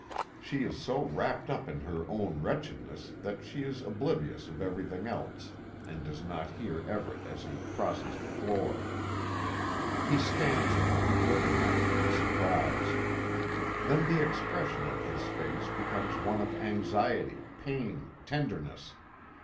She is so wrapt up in her own wretchedness that she is oblivious of everything else, and does not hear Everet as he crosses the floor. He stands a moment looking at her in surprise. Then the expression on his face becomes one of anxiety, pain, tenderness.